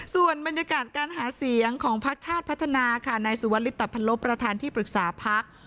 ส่วนบรรยากาศการหาเสียงของพักชาติพัฒนาค่ะนายสุวรรลิปตะพันลบประธานที่ปรึกษาพัก